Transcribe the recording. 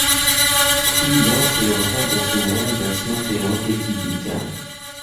کوتی لەو خێوهته دهسوڕێم دهچمه خێوهتێکی دیکه